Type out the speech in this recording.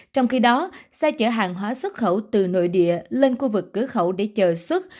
trong khi đó xe chở hàng hóa xuất khẩu từ nội địa lên khu vực cửa khẩu để chờ xuất